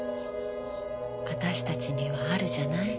・私たちにはあるじゃない